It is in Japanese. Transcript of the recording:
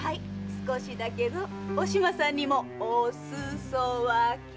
少しだけどお島さんにもおすそわけ。